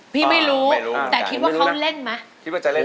พี่ไม่รู้แต่คิดว่าเขาเล่นมั้ย